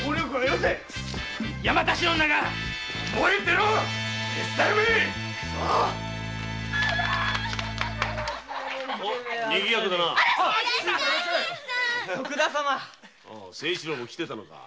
清一郎も来てたのか。